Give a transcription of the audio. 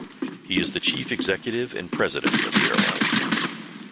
He is the Chief Executive and President of the airline.